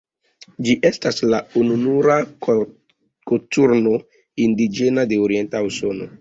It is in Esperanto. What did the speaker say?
Ĝi estas la ununura koturno indiĝena de orienta Usono.